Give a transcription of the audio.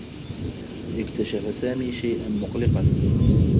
اكتشف سامي شيئا مقلقا.